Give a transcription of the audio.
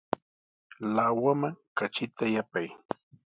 Lawaman katrita yapay.